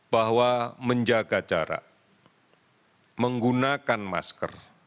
bahwa menjaga jarak menggunakan masker